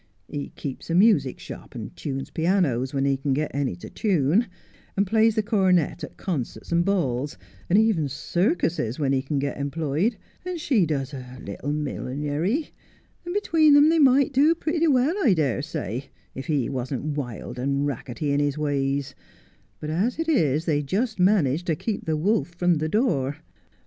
He keeps a music shop, and tunes pianos, when he can get any to tune, and plays the cornet at con certs and balls, and even circuses when he can get employed ; and she does a little millinery, and between them they might do pretty well, I dare say, if he wasn't wild and rackety in his ways, but as it is they just manage to keep the wolf from the door.